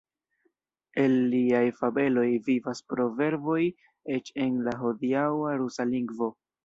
El liaj fabeloj vivas proverboj eĉ en la hodiaŭa rusa lingvo.